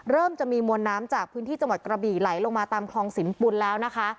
จะมีมวลน้ำจากพื้นที่จังหวัดกระบี่ไหลลงมาตามคลองสินปุ่นแล้วนะคะ